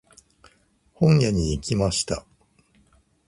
本屋に行きました。